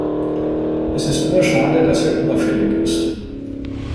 Es ist nur schade, dass er überfällig ist.